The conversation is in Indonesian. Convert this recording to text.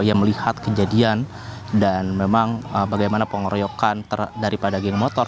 yang melihat kejadian dan memang bagaimana pengeroyokan daripada geng motor